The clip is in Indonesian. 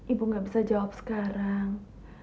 ibu gak bisa jawab sekarang